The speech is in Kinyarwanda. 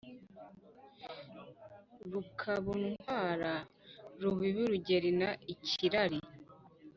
Rukabu ntwara Rubibi rugerna ikirari